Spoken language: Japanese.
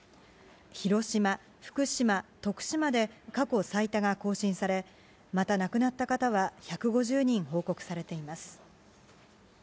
広島、福島、徳島で過去最多が更新され、また亡くなった方は、１５０人報告されています。